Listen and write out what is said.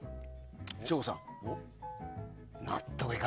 省吾さん。